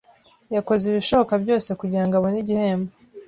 Yakoze ibishoboka byose kugirango abone igihembo.